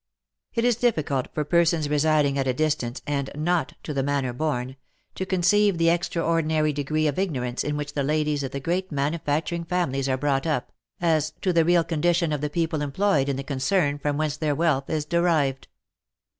It is difficult for persons residing at a distance, and not " to the manner born," to conceive the extraordinary degree of ignorance in which the ladies of the great manufacturing families are brought up, as to the real condition of the people employed in the concern from whence their wealth is derived.